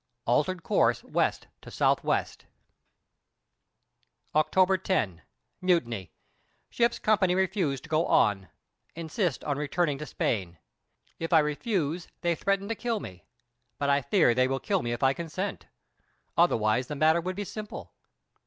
Altered course W. to S.W. October 10. Mutiny. Ship's company refuse to go on. Insist on returning to Spain. If I refuse they threaten to kill me; but I fear they will kill me if I consent. Otherwise the matter would be simple.